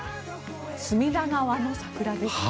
隅田川の桜ですね。